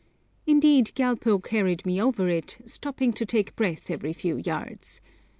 Indeed Gyalpo carried me over it, stopping to take breath every few yards.